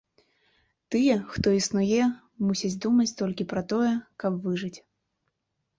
Тыя, хто існуе, мусяць думаць толькі пра тое, каб выжыць.